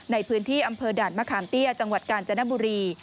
ในพื้นที่อำเภอด่านมะขามเตี้ยจังหวัดกาญจนบุรี